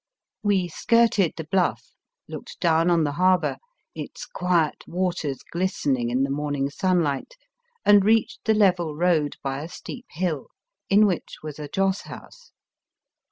We skirted the Bluff, looked down on the harbour, its quiet waters ghstening in the morning sunlight, and reached the level road by a steep hill, in which was a joss house.